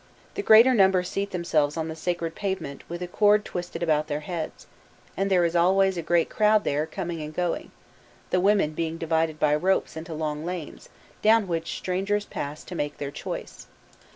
The greater number seat themselves on the sacred pavement, with a cord twisted about their heads, and there is always a great crowd there, coming and going; the women being divided by ropes into long lanes, down which strangers pass to make their choice.